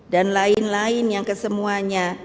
dan lain lain yang kesemuanya